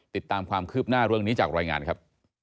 ติดตามความคืบหน้าเรื่องนี้จากรายงานครับ